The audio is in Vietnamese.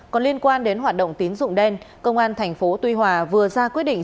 còn liên quan đến hoạt động tín dụng đen công an thành phố tuy hòa vừa ra quyết định